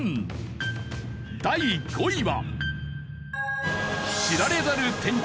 第５位は。